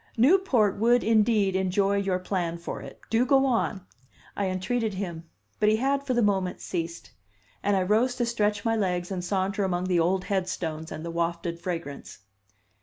"Newport would, indeed, enjoy your plan for it. Do go on!" I entreated him But he had, for the moment, ceased; and I rose to stretch my legs and saunter among the old headstones and the wafted fragrance.